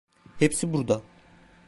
Hepsi burada.